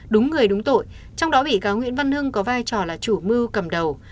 đúng người đúng tội trong đó bị cáo nguyễn văn hưng có vai trò là chủ mưu cầm đầu